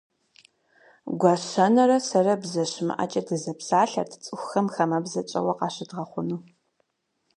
Гуащэнэрэ сэрэ, бзэ щымыӏэкӏэ дызэпсалъэрт, цӏыхухэм хамэбзэ тщӏэуэ къащыдгъэхъуну.